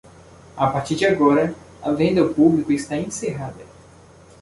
a partir de agora, a venda ao publico está encerrada